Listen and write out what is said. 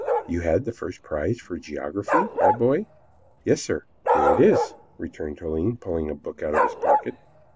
"You had the first prize for geography, my boy?" "Yes, sir. Here it is," returned Toline, pulling a book out of his pocket.